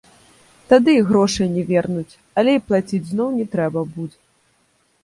Тады грошай не вернуць, але і плаціць зноў не трэба будзе.